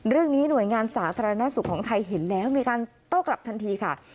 เรื่องนี้หน่วยงานสาธารณสุขของไทยเห็นแล้วมีการโต้กลับทันทีค่ะ